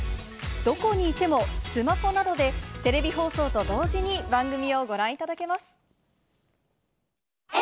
どこにいても、スマホなどでテレビ放送と同時に番組をご覧いただけます。